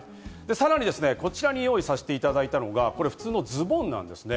さらに、こちらに用意させていただいたのが、普通のズボンなんですね。